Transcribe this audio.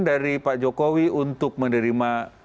dari pak jokowi untuk menerima